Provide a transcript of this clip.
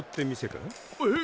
えっ？